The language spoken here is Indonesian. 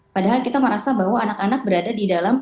padahal kita merasa bahwa anak anak berada di dalam